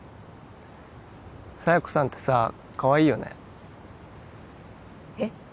佐弥子さんってさかわいいよねえっ？